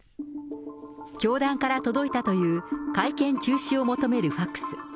教団から届いたという会見中止を求めるファックス。